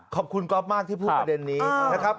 ขอบคุณก๊อฟมากที่พูดประเด็นนี้นะครับ